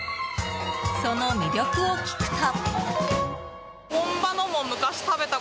その魅力を聞くと。